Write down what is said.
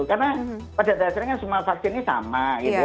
karena pada dasarnya kan semua vaksin ini sama gitu ya